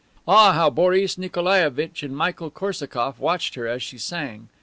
'" Ah, how Boris Nikolaievitch and Michael Korsakoff watched her as she sang!